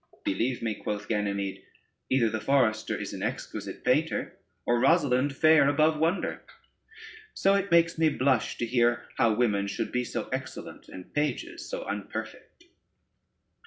] "Believe me," quoth Ganymede, "either the forester is an exquisite painter, or Rosalynde far above wonder; so it makes me blush to hear how women should be so excellent, and pages so unperfect."